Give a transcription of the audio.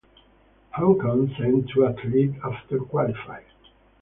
Hong Kong sent two athlete after qualified.